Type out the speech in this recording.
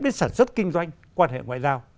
đến sản xuất kinh doanh quan hệ ngoại giao